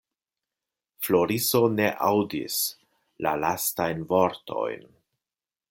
Floriso ne aŭdis la lastajn vortojn.